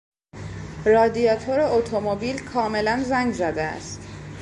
رادیاتور اتومبیل کاملا زنگ زده است.